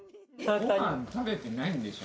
ごはん食べてないんでしょ？